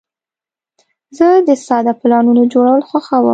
زه د ساده پلانونو جوړول خوښوم.